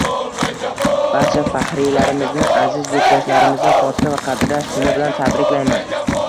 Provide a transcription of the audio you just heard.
Barcha fahriylarimizni, aziz yurtdoshlarimizni Xotira va qadrlash kuni bilan tabriklayman!